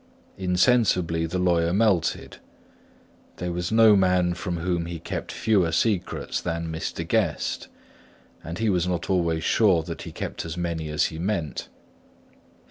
Insensibly the lawyer melted. There was no man from whom he kept fewer secrets than Mr. Guest; and he was not always sure that he kept as many as he meant.